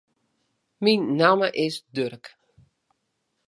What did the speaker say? Myn namme is Durk.